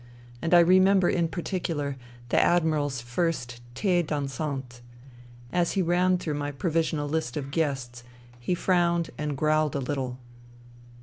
And I remember, in particular, the Admiral's first th6 dans ant As he ran through my provisional list of guests he frowned and growled a little.